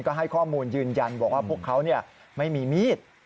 ก็ให้ข้อมูลยืนยันบอกว่าพวกเขาไม่มีมีด